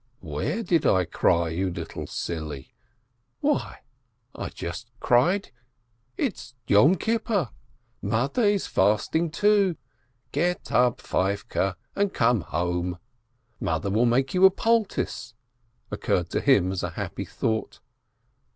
"Where did I cry, you little silly ? Why, I just cried — it's Yom Kippur. Mother is fasting, too — get up, Feivke, and come home. Mother will make you a poul tice," occurred to him as a happy thought.